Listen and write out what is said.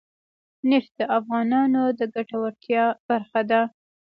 نفت د افغانانو د ګټورتیا برخه ده.